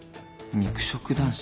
肉食男子？